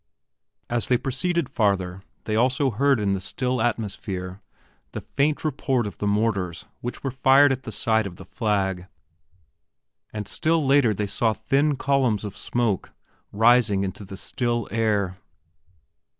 As they proceeded farther they also heard in the still atmosphere the faint report of the mortars which were fired at the sight of the flag; and still later they saw thin columns of smoke rising into the still air.